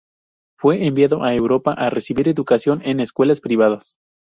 Fue enviado a Europa a recibir educación en escuelas privadas.